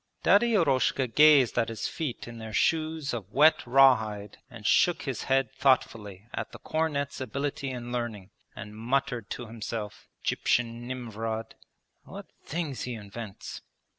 Daddy Eroshka gazed at his feet in their shoes of wet raw hide and shook his head thoughtfully at the cornet's ability and learning, and muttered to himself: 'Gyptian Nimvrod! What things he invents!'